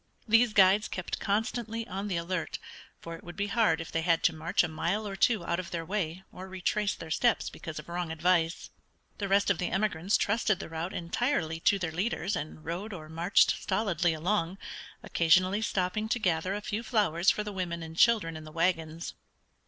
These guides kept constantly on the alert, for it would be hard if they had to march a mile or two out of their way or retrace their steps because of wrong advice. The rest of the emigrants trusted the route entirely to their leaders and rode or marched stolidly along, occasionally stopping to gather a few flowers for the women and children in the wagons.